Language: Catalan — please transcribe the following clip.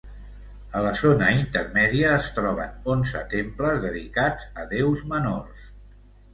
A la zona intermèdia es troben onze temples dedicats a déus menors.